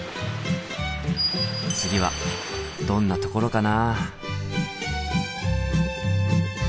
次はどんなところかな。